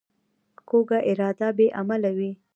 کوږه اراده بې عمله وي